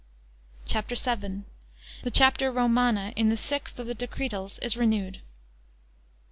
CHAPTER VII. The chapter "Romana," in the sixth (of the Decretals), is renewed.